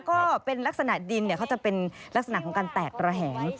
ก็เป็นลักษณะดินเขาจะเป็นลักษณะของการแตกระแหง